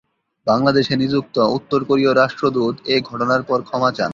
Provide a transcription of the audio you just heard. বাংলাদেশে নিযুক্ত উত্তর কোরীয় রাষ্ট্রদূত এ ঘটনার পর ক্ষমা চান।